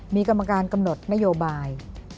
มีกรรมการกำหนดนโยบาย